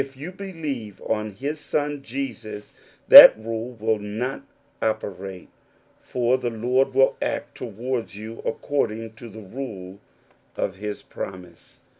you believe on his Son Jesus, that rule will ^^ operate, for the Lord will act towards you accordi^^ to the rule of his promise.